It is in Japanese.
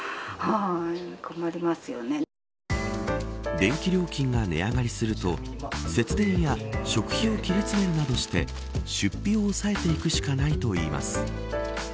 電気料金が値上がりすると節電や食費を切り詰めるなどして出費を抑えていくしかないといいます。